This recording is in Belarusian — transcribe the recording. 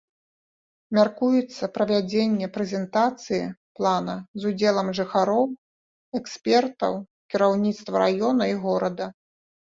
Мяркуецца правядзенне прэзентацыі плана з удзелам жыхароў, экспертаў, кіраўніцтва раёна і горада.